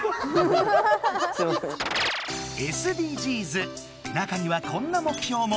ＳＤＧｓ中にはこんな目標も。